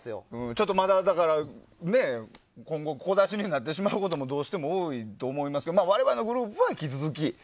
ちょっとまだ、今後小出しになることもどうしても多いと思いますが我々のグループは引き続き。